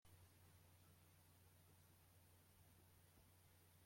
Maɣ allig isawl Masin i Sifaw?